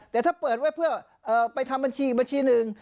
แต่ถ้าเปิดไว้เพื่อไปทำบัญชีหนึ่ง